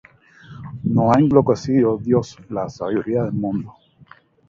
¿no ha enloquecido Dios la sabiduría del mundo?